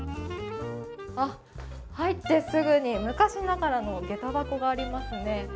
あっ、入ってすぐに昔ながらの下駄箱がありますね。